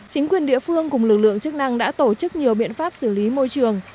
chính quyền địa phương cùng lực lượng chức năng đã tổ chức nhiều biện pháp xử lý môi trường